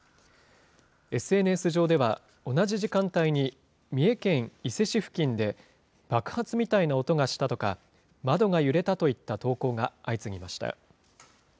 ＳＮＳ上では、同じ時間帯に三重県伊勢市付近で、爆発みたいな音がしたとか、窓が揺れたといった投稿が相次ぎました。